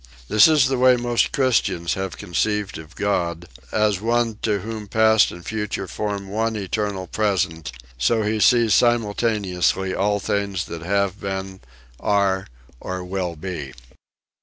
This is the way most Christians have con ceived of God, as one to whom past and future form one eternal present, so he sees simultaneously all things that have been, are or will be.